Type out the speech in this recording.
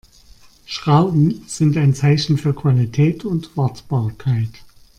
Schrauben sind ein Zeichen für Qualität und Wartbarkeit.